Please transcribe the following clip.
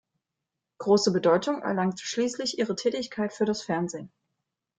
Große Bedeutung erlangte schließlich ihre Tätigkeit für das Fernsehen.